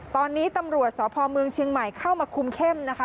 ตอนนี้ตำรวจสพเมืองเชียงใหม่เข้ามาคุมเข้มนะคะ